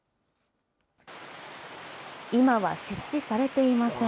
今は設置されていません。